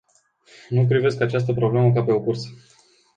Nu privesc această problemă ca pe o cursă.